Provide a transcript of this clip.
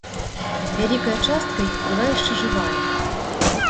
Вялікая частка іх была яшчэ жывая.